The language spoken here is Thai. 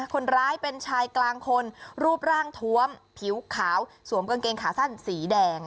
คนร้ายเป็นชายกลางคนรูปร่างทวมผิวขาวสวมกางเกงขาสั้นสีแดง